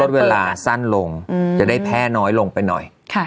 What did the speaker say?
เวลาสั้นลงจะได้แพร่น้อยลงไปหน่อย